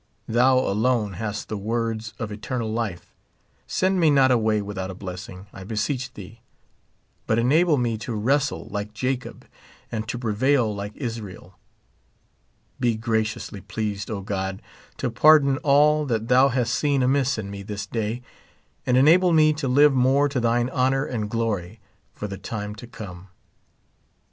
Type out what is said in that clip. Thou alone hast the words of eternal life. Send me not away without a blessing, I beseech thee ; but enable me to wrestle like Jacob, and to pre vail like Israel. Be graciously pleased, O God, to pardon all that thou hast seen amiss in me this day, and enable me to live more to thine honor and glory for the time to come.